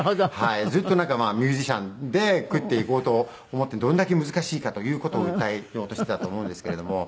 ずっとミュージシャンで食っていこうと思ってどれだけ難しいかという事を訴えようとしてたと思うんですけれども。